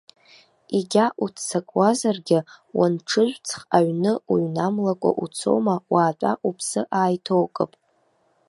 Егьа уццакуазаргьы, уанҽыжәҵх, аҩны уҩнамлакәа уцома, уаатәа, уԥсы ааиҭоукып.